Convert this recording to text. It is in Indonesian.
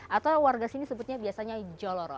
atau warga sini sebutnya biasanya joloro